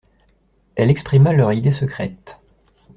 Elle exprima leur idée secrète.